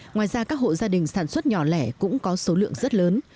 ngoài ra các hộ gia đình sản xuất nhỏ lẻ cũng có số lượng rất lớn